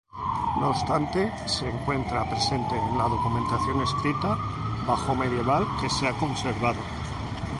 No obstante, se encuentra presente en la documentación escrita bajomedieval que se ha conservado.